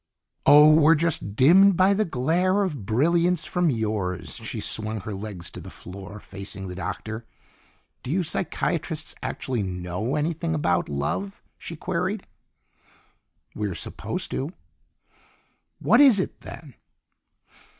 "Oh, we're just dimmed by the glare of brilliance from yours." She swung her legs to the floor, facing the Doctor. "Do you psychiatrists actually know anything about love?" she queried. "We're supposed to." "What is it, then?"